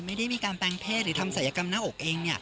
ไม่ได้มีการแปลงเพศหรือทำศัยกรรมหน้าอกเอง